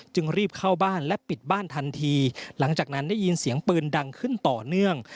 รีบเข้าบ้านและปิดบ้านทันทีหลังจากนั้นได้ยินเสียงปืนดังขึ้นต่อเนื่อง